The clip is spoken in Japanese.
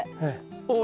おお。